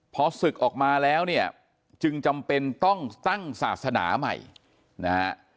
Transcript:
พอศึกออกมาแล้วเนี่ยจึงจำเป็นต้องตั้งศาสนาใหม่นะฮะ